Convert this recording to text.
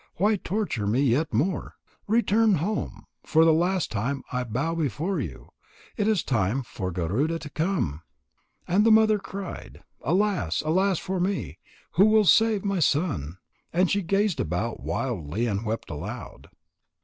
Why torture me yet more? Return home. For the last time I bow before you. It is time for Garuda to come." And the mother cried: "Alas, alas for me! Who will save my son?" And she gazed about wildly and wept aloud.